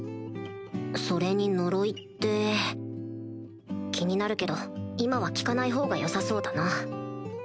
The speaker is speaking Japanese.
それに呪いって気になるけど今は聞かないほうがよさそうだな